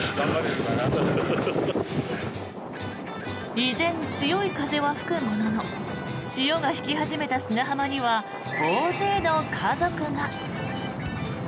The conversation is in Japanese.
依然、強い風は吹くものの潮が引き始めた砂浜には大勢の家族が。